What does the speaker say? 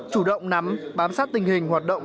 chủ động nắm bám sát tình hình hoạt động